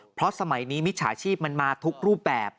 เพราะสมัยนี้มิจฉาชีพมันมาทุกรูปแบบ